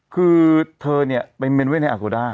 คือเธอนี้ไปเมนเว่นในอัครดา